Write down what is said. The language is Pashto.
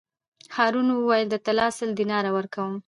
هارون وویل: د طلا سل دیناره ورکووم.